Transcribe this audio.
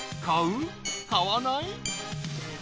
買わない？］